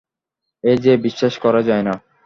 এ যে বিশ্বাস করা যায় না।